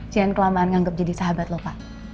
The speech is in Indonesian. jangan kelamaan nganggap jadi sahabat lho pak